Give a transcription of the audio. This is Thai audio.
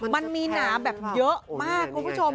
มันมีหนาแบบเยอะมากคุณผู้ชม